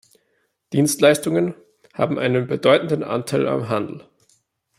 Dienstleistungen haben einen bedeutenden Anteil am Handel.